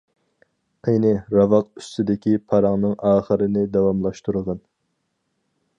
قېنى، راۋاق ئۈستىدىكى پاراڭنىڭ ئاخىرىنى داۋاملاشتۇرغىن.